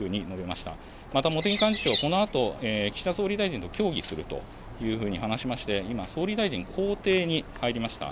また茂木幹事長は、このあと、岸田総理大臣と協議するというふうに話しまして、今、総理大臣公邸に入りました。